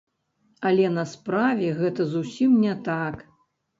Але на справе гэта зусім не так.